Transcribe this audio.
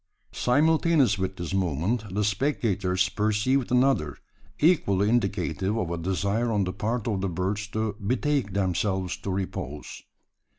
Simultaneous with this movement, the spectators perceived another equally indicative of a desire on the part of the birds to betake themselves to repose.